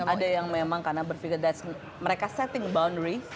ada yang memang karena berpikir mereka setting boundaries